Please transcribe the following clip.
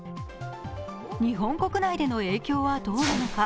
日本国内での影響はどうなのか。